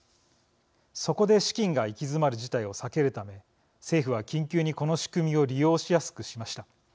そこで、資金が行き詰まる事態を避けるため政府は緊急にこの仕組みを利用しやすくしました。